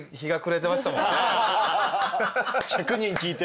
１００人聞いて。